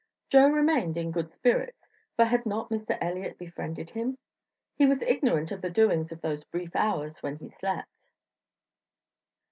Joe remained in good spirits, for had not Mr. Elliott befriended him? He was ignorant of the doings of those brief hours when he slept.